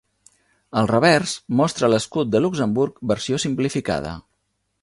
El revers mostra l'escut de Luxemburg versió simplificada.